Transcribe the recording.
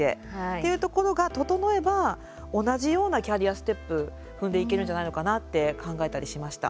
というところが整えば同じようなキャリアステップ踏んでいけるんじゃないのかなって考えたりしました。